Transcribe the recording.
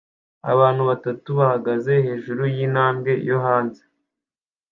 Abantu batatu bahagaze hejuru yintambwe yo hanze